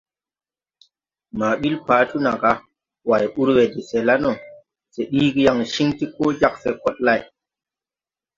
Ma ɓil Patu naga, Way ur we de se la no, se ɗiigi yaŋ ciŋ ti koo jag see koɗ lay.